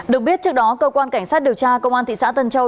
được biết trước đó cơ quan cảnh sát điều tra công an thị xã tân châu